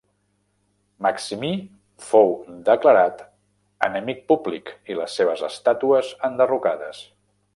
Maximí fou declarat enemic públic i les seves estàtues enderrocades.